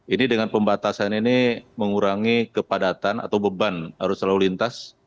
ini dengan pembatasan ini mengurangi kepadatan atau beban arus lalu lintas